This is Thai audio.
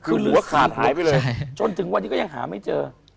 คือเหลือขาดหายไปเลยจนถึงวันนี้ก็ยังหาไม่เจอ